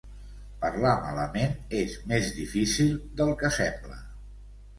Parlar malament és més difícil del que sembla.